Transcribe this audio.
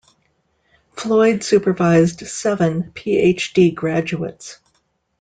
Floyd supervised seven PhD graduates.